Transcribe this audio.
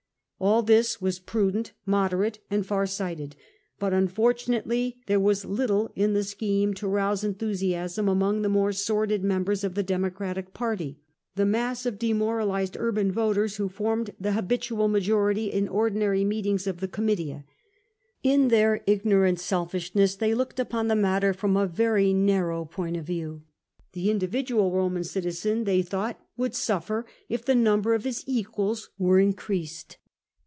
All this was prudent, moderate, and far sighted; but unfortunately there was little in the scheme to rouse enthusiasm among the more sordid members of the Demo cratic party — the mass of demoralised urban voters who formed the habitual majority in ordinary meetings of the Oomitia. In their ignorant selfishness, they looked upon the matter from a very narrow point of view. The CAIUS QRACCHUS f2 individnal Eoman citizen, they thought, would suffer if the number of his equals were increased.